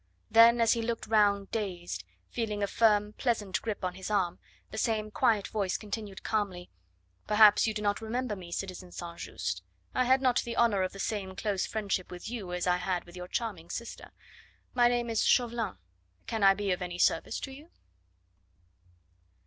Then, as he looked round dazed, feeling a firm, pleasant grip on his arm, the same quiet voice continued calmly: "Perhaps you do not remember me, citizen St. Just. I had not the honour of the same close friendship with you as I had with your charming sister. My name is Chauvelin. Can I be of any service to you?"